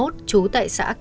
trú tại xã kỳ